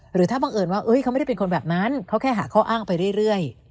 หรือถ้าบังเอิญว่าเขาไม่ได้เป็นคนแบบนั้นเขาแค่หาข้ออ้างไปเรื่อย